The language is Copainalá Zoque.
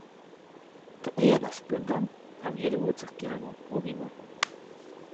Teʼ ʼeyanas pändaʼm jawyiduʼwätsäjkyaʼmuŋ kubimä.